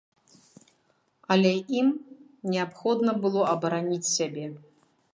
Але ім неабходна было абараніць сябе.